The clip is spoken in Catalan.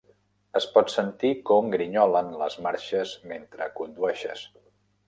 Es pot sentir com grinyolen les marxes mentre condueixes.